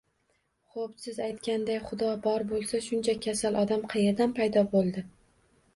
Xoʻp, siz aytganday Xudo bor boʻlsa, shuncha kasal odam qayerdan paydo boʻldi